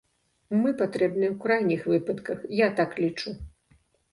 Мы патрэбныя ў крайніх выпадках, я так лічу.